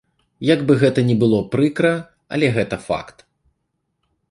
Як бы гэта ні было прыкра, але гэта факт.